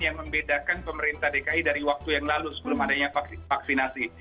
yang membedakan pemerintah dki dari waktu yang lalu sebelum adanya vaksinasi